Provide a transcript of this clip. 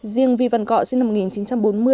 riêng vi văn cọ sinh năm một nghìn chín trăm bốn mươi